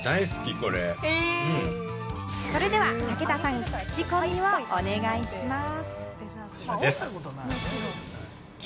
それでは武田さん、クチコミをお願いします！